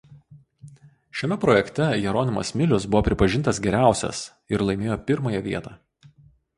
Šiame projekte Jeronimas Milius buvo pripažintas geriausias ir laimėjo pirmąją vietą.